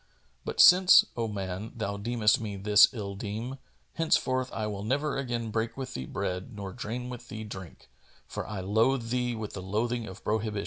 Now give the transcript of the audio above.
But since, O man, thou deemest me this ill deme, henceforth I will never again break with thee bread nor drain with thee drink, for I loathe thee with the loathing of prohibition.